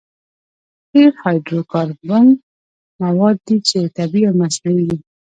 قیر هایدرو کاربن مواد دي چې طبیعي او مصنوعي وي